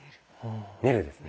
練るですね。